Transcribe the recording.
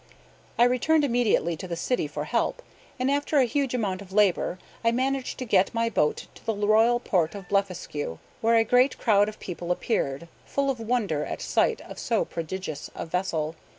I returned immediately to the city for help, and after a huge amount of labor I managed to get my boat to the royal port of Blefuscu, where a great crowd of people appeared, full of wonder at sight of so prodigious a vessel.